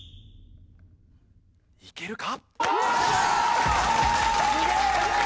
いけるか？